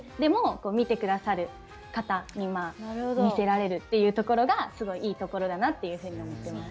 見てくださる方にも見せられるというところがすごいいいところだなと思ってます。